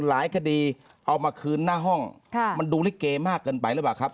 หลายคดีเอามาคืนหน้าห้องมันดูลิเกมากเกินไปหรือเปล่าครับ